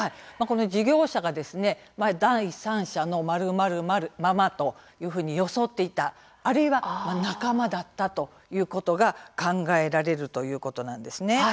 事業者が第三者の○○ママと装っていたあるいは仲間だったということが考えられるということなんです。